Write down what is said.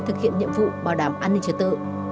thực hiện nhiệm vụ bảo đảm an ninh trật tự